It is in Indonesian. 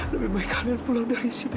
lebih baik kalian pulang dari sini